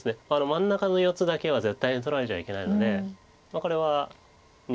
真ん中の４つだけは絶対に取られちゃいけないのでこれは逃げます。